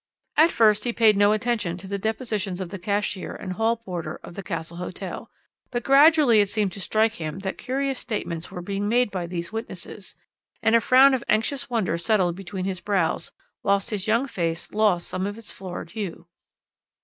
"At first he paid no attention to the depositions of the cashier and hall porter of the Castle Hotel, but gradually it seemed to strike him that curious statements were being made by these witnesses, and a frown of anxious wonder settled between his brows, whilst his young face lost some of its florid hue.